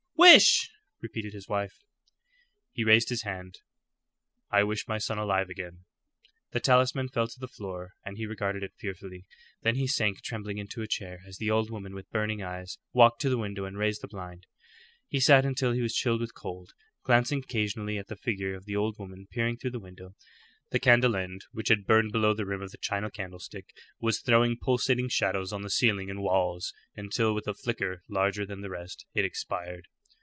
"Wish!" repeated his wife. He raised his hand. "I wish my son alive again." The talisman fell to the floor, and he regarded it fearfully. Then he sank trembling into a chair as the old woman, with burning eyes, walked to the window and raised the blind. He sat until he was chilled with the cold, glancing occasionally at the figure of the old woman peering through the window. The candle end, which had burned below the rim of the china candlestick, was throwing pulsating shadows on the ceiling and walls, until, with a flicker larger than the rest, it expired.